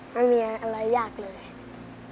ไม่มีอะไรยากเลย